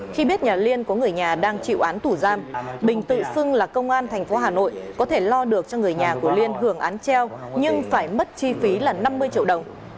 khi biết nhà liên có người nhà đang chịu án tù giam bình tự xưng là công an tp hà nội có thể lo được cho người nhà của liên hưởng án treo nhưng phải mất chi phí là năm mươi triệu đồng